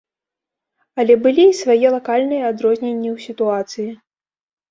Але былі і свае лакальныя адрозненні ў сітуацыі.